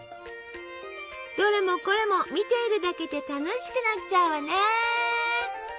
どれもこれも見ているだけで楽しくなっちゃうわね！